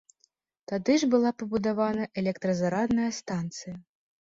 Тады ж была пабудавана электразарадная станцыя.